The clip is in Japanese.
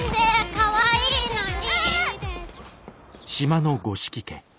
かわいいのに！